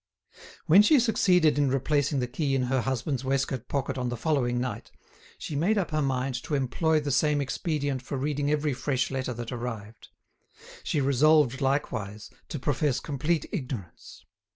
When she succeeded in replacing the key in her husband's waistcoat pocket on the following night, she made up her mind to employ the same expedient for reading every fresh letter that arrived. She resolved, likewise, to profess complete ignorance.